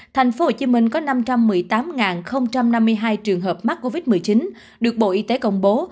tp hcm có năm trăm một mươi tám năm mươi hai trường hợp mắc covid một mươi chín được bộ y tế công bố